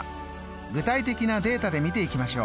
具体的なデータで見ていきましょう。